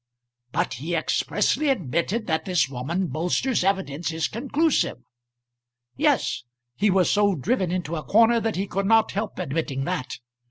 "But he expressly admitted that this woman Bolster's evidence is conclusive." "Yes; he was so driven into a corner that he could not help admitting that.